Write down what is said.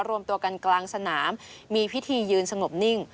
รวมตัวกันกลางสนามมีพิธียืนสงบนิ่ง